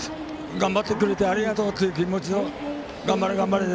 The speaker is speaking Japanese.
頑張ってくれてありがというという気持ちを頑張れ、頑張れって。